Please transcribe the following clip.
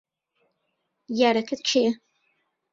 یارەکەت کێیە؟